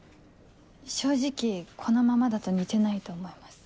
正直このままだと似てないと思います。